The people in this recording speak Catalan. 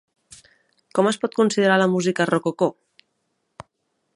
Com es pot considerar la música rococó?